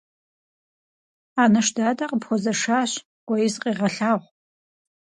Анэш дадэ къыпхуэзэшащ, кӏуэи зыкъегъэлъагъу.